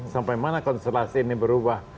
sampai mana konstelasi ini berubah